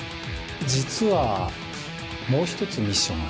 実はもう１つミッションが。